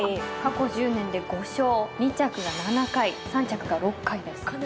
過去１０年で５勝２着が７回３着が６回です。